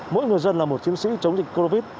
mỗi người dân là một chiến sĩ chống dịch covid một mươi chín